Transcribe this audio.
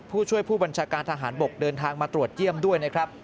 ผู้ช่วยผู้บัญชาการทหารบกเดินทางมาตรวจเยี่ยมด้วยนะครับ